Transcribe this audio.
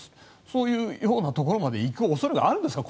そういうようなところまで行く恐れがあるんですか。